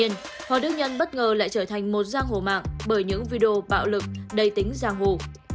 tuy nhiên hoàng đức nhân bất ngờ lại trở thành một giang hồ mạng bởi những video bạo lực đầy tính giang hồ